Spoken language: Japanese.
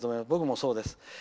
僕もそうです。